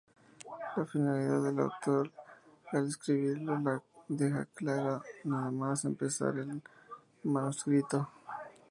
La finalidad del autor al escribirlo la deja clara nada más empezar el manuscrito.